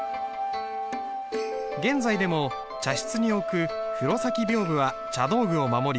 現在でも茶室に置く風炉先屏風は茶道具を守り